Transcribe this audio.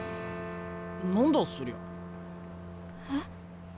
何だそりゃ？え？